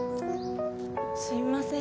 すいません